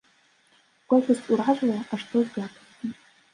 Колькасць уражвае, а што з якасцю?